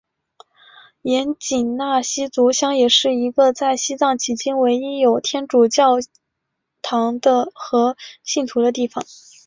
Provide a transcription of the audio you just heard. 盐井纳西族乡也是一个在西藏迄今唯一有天主教教堂和信徒的地方。